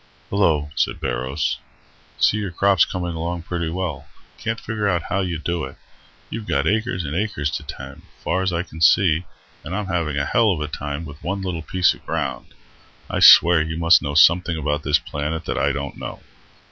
"Hello," said Barrows. "See your crop's coming along pretty well. Can't figure how you do it. You've got acres and acres to tend, far's I can see, and I'm having a hell of a time with one little piece of ground. I swear you must know something about this planet that I don't know."